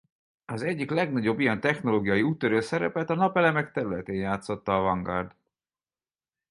Az egyik legnagyobb ilyen technológiai úttörő szerepet a napelemek területén játszotta a Vanguard.